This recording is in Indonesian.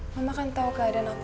mama kan tahu keadaan aku